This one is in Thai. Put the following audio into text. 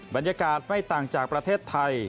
บรรยากาศไม่ต่างจากประเทศไทย